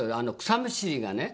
草むしりがね